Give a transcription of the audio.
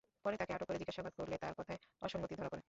পরে তাঁকে আটক করে জিজ্ঞাসাবাদ করলে তাঁর কথায় অসঙ্গতি ধরা পড়ে।